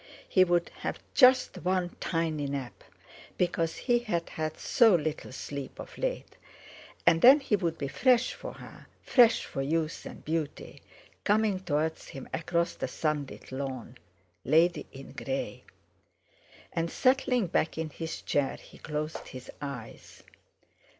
He would have just one tiny nap, because he had had so little sleep of late; and then he would be fresh for her, fresh for youth and beauty, coming towards him across the sunlit lawn—lady in grey! And settling back in his chair he closed his eyes.